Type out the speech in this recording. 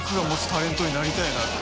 ㈭タレントになりたいなって。